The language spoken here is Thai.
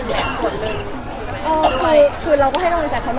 สรุปก็คือเหมือนตรงตรงพี่เค้ามีถึงแหลกคนหนึ่ง